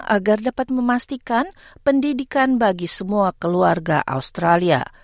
agar dapat memastikan pendidikan bagi semua keluarga australia